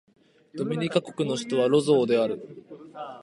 ドミニカ国の首都はロゾーである